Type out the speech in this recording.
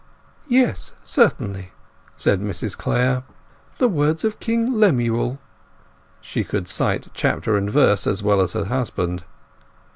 "Yes, certainly," said Mrs Clare. "The words of King Lemuel" (she could cite chapter and verse as well as her husband).